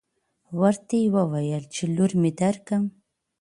ورته يې وويل چې لور مې درکم.